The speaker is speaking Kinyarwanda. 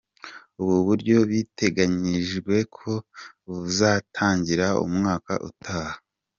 Ubu buryo biteganyijwe ko buzatangira umwaka utaha.